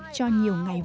cho nhiều ngày vui